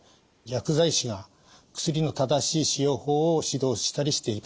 薬剤師が薬の正しい使用法を指導したりしています。